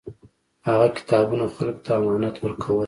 هغه کتابونه خلکو ته امانت ورکول.